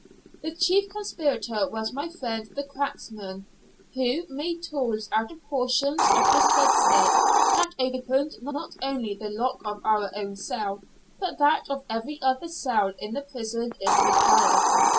The chief conspirator was my friend the "cracksman," who made tools out of portions of his bedstead, that opened not only the lock of our own cell, but that of every other cell in the prison, if required.